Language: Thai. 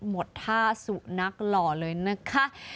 หมดท่าสุนัขหล่อเลยนะคะ